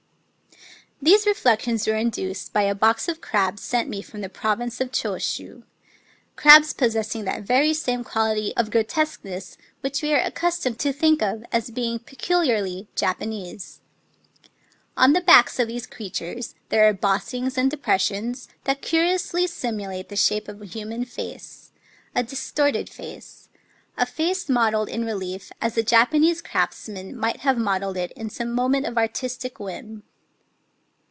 •.• These reflections were induced by a box of crabs sent me from the Province of Choshu, — crabs possessing that very same quality of grotesqueness K 129 Digitized byVnOOQlC I30 HEIK£ GANI which we are accustomed to think of as being peculiarly Japanese. On the backs of these crea tures there are bossings and depressions that curi ously simulate the shape of a human face, — a distorted face, — a face modelled in relief as a Japanese craftsman might have modelled it in some moment of artistic whim.